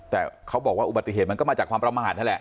แต่เขาบอกว่าอุบัติเหตุมันก็มาจากความประมาทนั่นแหละ